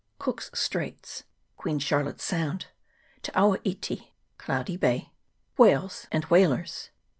Cook's Straits. Queen Charlotte's Sound. Te awa iti. Cloudy Bay. Whales and Whalers.